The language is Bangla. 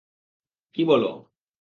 কী, বল?